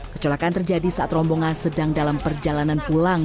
kecelakaan terjadi saat rombongan sedang dalam perjalanan pulang